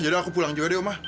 yaudah aku pulang juga deh omah